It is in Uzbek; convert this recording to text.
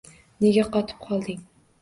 Nega qotib qolding